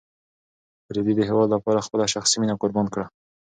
رېدي د هېواد لپاره خپله شخصي مینه قربان کړه.